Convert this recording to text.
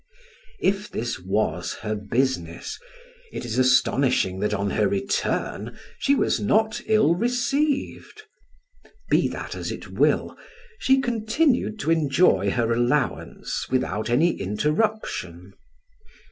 If this was her business, it is astonishing that on her return she was not ill received; be that as it will, she continued to enjoy her allowance without any interruption.